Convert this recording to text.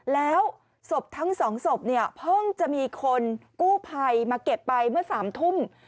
แล้วศพทั้งสองศพเนี่ยเพิ่งจะมีคนกู้ภัยมาเก็บไปเมื่อ๓ทุ่ม